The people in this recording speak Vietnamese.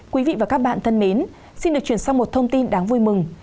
quý vị và các bạn thân mến xin được chuyển sang một thông tin đáng vui mừng